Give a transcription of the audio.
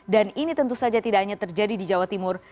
dan ini tentu saja tidak hanya terjadi di jawa timur